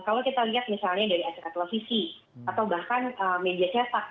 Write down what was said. kalau kita lihat misalnya dari acara televisi atau bahkan media cetak